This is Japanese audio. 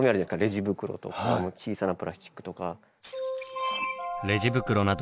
レジ袋とか小さなプラスチックとか。